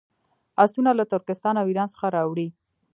آسونه له ترکستان او ایران څخه راوړي.